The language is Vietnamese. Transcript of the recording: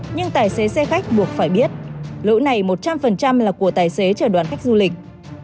nhưng tài xế xe khách buộc phải biết lỗi này một trăm linh là của tài xế chờ đón khách du lịch